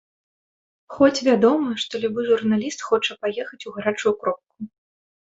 Хоць вядома, што любы журналіст хоча паехаць у гарачую кропку.